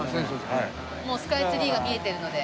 もうスカイツリーが見えてるので。